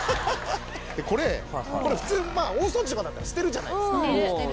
これ普通大掃除とかだったら捨てるじゃないですか